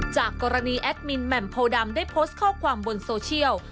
จากกรณีแอดมินแหม่มโพดำได้โพสต์ข้อความบนโซเชียล